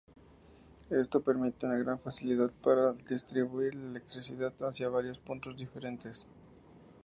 Esto permite una gran facilidad para distribuir la electricidad hacia varios puntos diferentes.